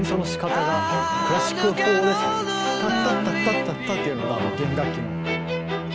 タタタタタタっていうのが弦楽器の。